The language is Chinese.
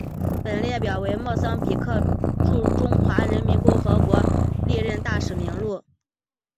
本列表为莫桑比克驻中华人民共和国历任大使名录。